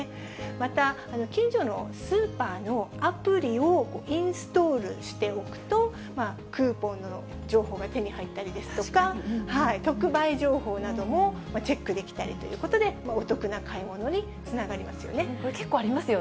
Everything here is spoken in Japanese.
また、近所のスーパーのアプリをインストールしておくと、クーポンなどの情報が手に入ったりですとか、特売情報などもチェックできたりということで、結構ありますよね。あります。